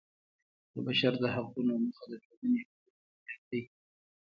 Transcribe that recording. د بشر د حقونو موخه د ټولنې حقوقو امنیت دی.